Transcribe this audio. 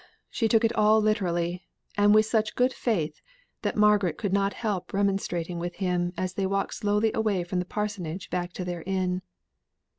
she took it all literally, and with such good faith, that Margaret could not help remonstrating with him as they walked slowly away from the parsonage back to their inn.